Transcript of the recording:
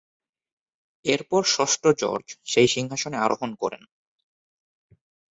এরপর ষষ্ঠ জর্জ সেই সিংহাসনে আরোহণ করেন।